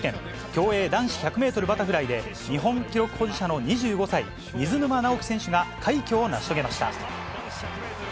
競泳男子１００メートルバタフライで、日本記録保持者の２５歳、水沼尚輝選手が快挙を成し遂げました。